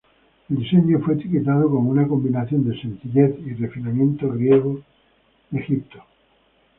El diseño fue etiquetado como una combinación de sencillez y refinamiento griego de Egipto.